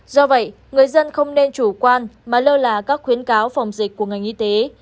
do vậy người dân không nên chủ quan mà lơ là các khuyến cáo phòng dịch của ngành y tế